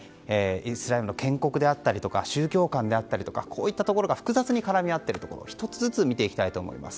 イスラエルの建国であったり宗教観であったりとかこういったところが複雑に絡み合っているところ１つ１つ見ていきたいと思います。